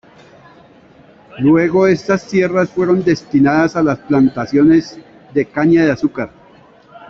Luego estas tierras fueron destinadas a las plantaciones de caña de azúcar.